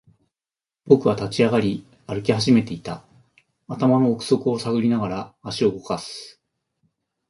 僕は立ち上がり、歩き始めていた。頭の奥底を探りながら、足を動かす。